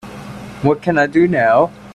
what can I do now?